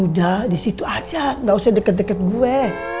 udah disitu aja gak usah deket deket gue